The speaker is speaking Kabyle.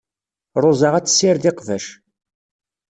Ṛuza ad tessired iqbac.